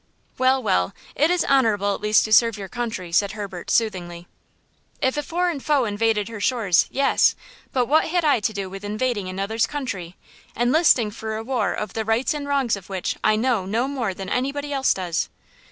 "Well, well, it is honorable at least to serve your country," said Herbert, soothingly. "If a foreign foe invaded her shores, yes; but what had I to do with invading another's country?–enlisting for a war of the rights and wrongs of which I know no more than anybody else does?